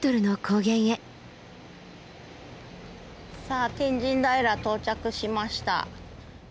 さあ天神平到着しました。